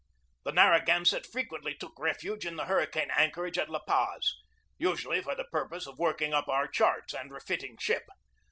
The Narragansett frequently took refuge in the hurricane anchorage at La Paz, usually for the pur pose of working up our charts and refitting ship.